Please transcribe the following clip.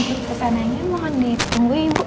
ibu pesanannya mohon ditunggu ibu